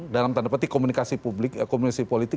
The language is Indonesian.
dalam tanda petik komunikasi publik komunikasi politik